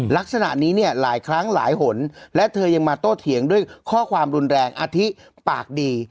ลักษณะนี้เนี่ยหลายครั้งหลายหนและเธอยังมาโต้เถียงด้วยข้อความรุนแรงอาทิปากดี